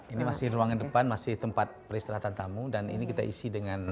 ini masih ruangan depan masih tempat peristirahatan tamu dan ini kita isi dengan